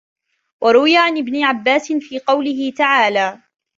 وَرُوِيَ عَنْ ابْنِ عَبَّاسٍ فِي قَوْله تَعَالَى